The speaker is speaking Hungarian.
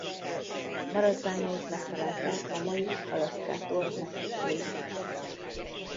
Maradványait megtalálták a mai Alaszkától Mexikóig.